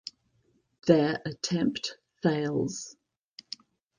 Their attempt fails.